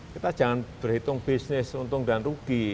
kita jangan berhitung bisnis untung dan rugi